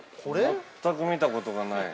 ◆全く見たことがない。